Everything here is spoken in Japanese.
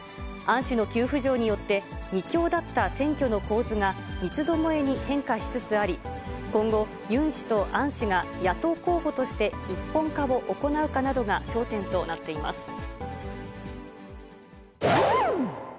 アン氏の急浮上によって、２強だった選挙の構図が、三つどもえに変化しつつあり、今後、ユン氏とアン氏が野党候補として、一本化を行うかなどが焦点となっています。